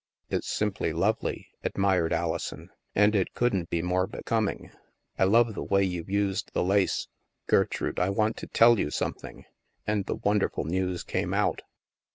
" It's simply lovely," admired Alison. " And it couldn't be more becoming. I love the way you've used the lace ... Gertrude, I want to tell you something," and the wonderful news came out.